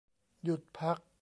หยุดพัก